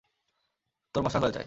তোর মশার কয়েল চাই!